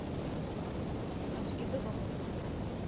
Аӡәгьы дыҟамызт.